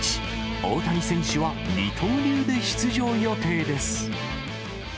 大谷選手は二刀流で出場予定です。